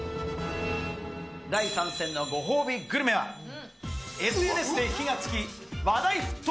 第３戦のご褒美グルメは、ＳＮＳで火が付き、話題沸騰。